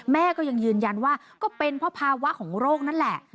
แม่ก็ยังยืนยันว่าก็เป็นเพราะภาวะของโรคนั่นแหละ